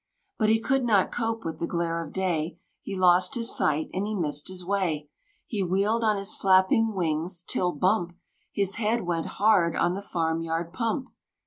But he could not cope with the glare of day: He lost his sight, and he missed his way; He wheeled on his flapping wings, till, "bump!" His head went, hard on the farm yard pump.